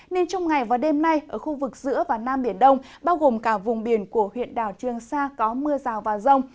nên trong ngày và đêm nay ở khu vực giữa và nam biển đông bao gồm cả vùng biển của huyện đảo trương sa có mưa rào và rông